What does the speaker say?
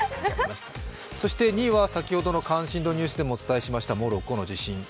そして２位は先ほどの関心度ニュースでもお伝えしましたモロッコの地震。